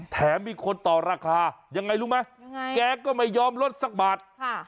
แถมมีคนต่อราคายังไงรู้ไหมยังไงแกก็ไม่ยอมลดสักบาท